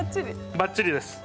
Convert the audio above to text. バッチリです。